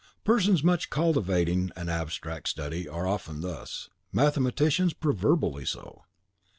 Persons much cultivating an abstract study are often thus; mathematicians proverbially so.